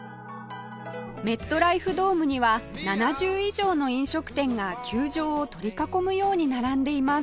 メットライフドームには７０以上の飲食店が球場を取り囲むように並んでいます